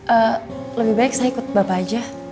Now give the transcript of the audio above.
eh lebih baik saya ikut bapak aja